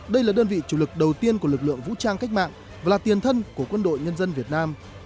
đây là đơn vị chủ lực đầu tiên của lực lượng vũ trang cách mạng và tiền thân của quân đội nhân dân việt nam